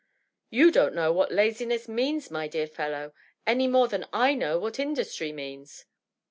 " You don't know what laziness means, my dear fellow, any more than I know what industry means.